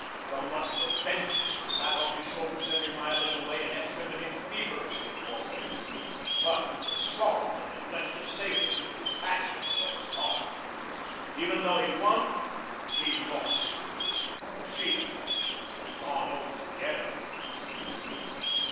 The lust of vengeance had sat on his shoulders every mile of the way and had driven him feverishly forward. But the salt that had lent a savor to his passion was gone. Even though he won, he lost. For Sheba had gone over to the enemy.